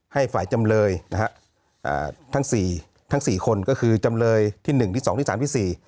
ให้ฝ่ายจำเลยนะฮะทั้งสี่ทั้งสี่คนก็คือจำเลยที่หนึ่งดิแต่๓๔